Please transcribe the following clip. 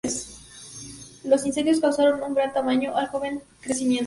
Los incendios causaron un gran daño al joven crecimiento.